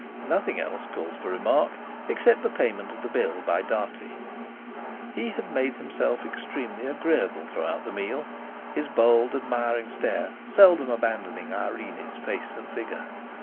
Nothing else calls for remark except the payment of the bill by Dartie. He had made himself extremely agreeable throughout the meal; his bold, admiring stare seldom abandoning Irene's face and figure.